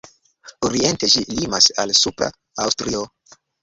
Oriente ĝi limas al Supra Aŭstrio.